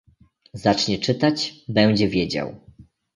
"Zacznie czytać: będzie wiedział."